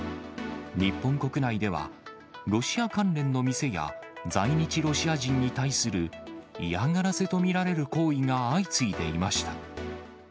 日本国内では、ロシア関連の店や、在日ロシア人に対する嫌がらせと見られる行為が相次いでいました。